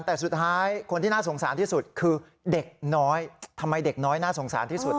แต่สุดท้ายคนที่น่าสงสารที่สุดคือเด็กน้อยทำไมเด็กน้อยน่าสงสารที่สุด